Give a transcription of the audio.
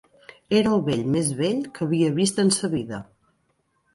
Era el vell més vell que havia vist en sa vida